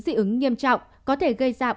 dị ứng nghiêm trọng có thể gây ra